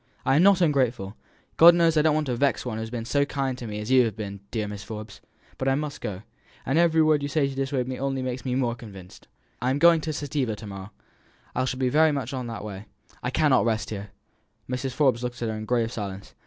I am not ungrateful. God knows I don't want to vex one who has been so kind to me as you have been, dear Mrs. Forbes; but I must go and every word you say to dissuade me only makes me more convinced. I am going to Civita to morrow. I shall be that much on the way. I cannot rest here." Mrs. Forbes looked at her in grave silence.